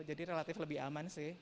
jadi relatif lebih aman sih